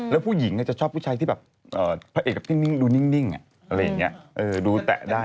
แล้วผู้หญิงจะชอบผู้ชายที่แบบพระเอกแบบนิ่งดูนิ่งอะไรอย่างนี้ดูแตะได้